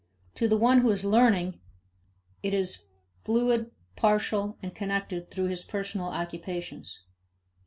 To the one who is learning, it is fluid, partial, and connected through his personal occupations.